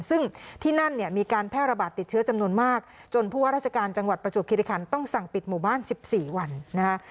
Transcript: ซึ่งที่นั่นเนี่ยมีการแพร่ระบาดติดเชื้อจำนวนมากจนผู้ว่าราชการจังหวัดประจวบคิริคันต้องสั่งปิดหมู่บ้าน๑๔วันนะคะ